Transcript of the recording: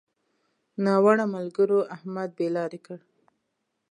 ناوړه ملګرو؛ احمد بې لارې کړ.